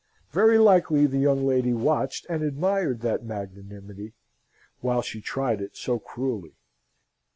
Very likely the young lady watched and admired that magnanimity, while she tried it so cruelly.